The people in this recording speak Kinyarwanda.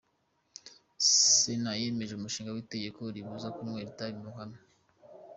Sena yemeje umushinga w’itegeko ribuza kunywera itabi mu ruhame